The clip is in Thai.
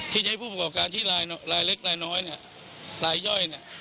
ที่ใช้ผู้ประกอบการที่รายเล็กรายน้อยรายย่อย